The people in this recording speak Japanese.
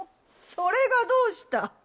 それがどうした？